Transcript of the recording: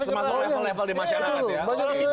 termasuk level level di masyarakat ya